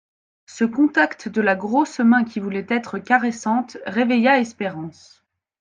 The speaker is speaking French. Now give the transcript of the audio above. Ce contact de la grosse main qui voulait être caressante réveilla Espérance.